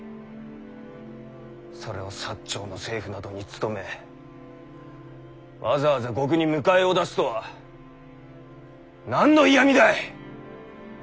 それを長の政府などに勤めわざわざ獄に迎えを出すとは何の嫌みだ！